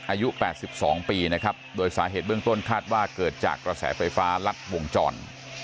อายุ๘๒ปีนะครับโดยสาเหตุเบื้องต้นคาดว่าเกิดจากกระแสไฟฟ้ารัดวงจร